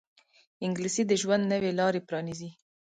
انګلیسي د ژوند نوې لارې پرانیزي